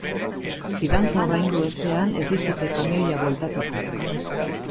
Fidantza ordaindu ezean ez dizute kamioia bueltatuko.